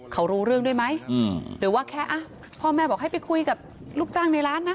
เขารู้เรื่องด้วยไหมหรือว่าแค่พ่อแม่บอกให้ไปคุยกับลูกจ้างในร้านนะ